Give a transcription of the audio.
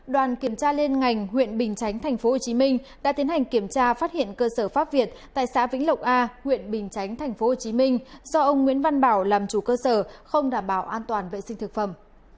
đoàn kiểm tra liên ngành huyện bình chánh tp hcm đã tiến hành kiểm tra phát hiện cơ sở pháp việt tại xã vĩnh lộc a huyện bình chánh tp hcm do ông nguyễn văn bảo làm chủ cơ sở không đảm bảo an toàn vệ sinh thực phẩm